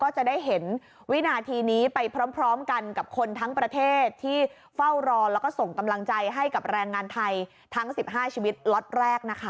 จะได้เห็นวินาทีนี้ไปพร้อมกันกับคนทั้งประเทศที่เฝ้ารอแล้วก็ส่งกำลังใจให้กับแรงงานไทยทั้ง๑๕ชีวิตล็อตแรกนะคะ